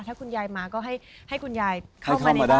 ถ้าคุณยายมาก็ให้คุณยายเข้ามาในบ้าน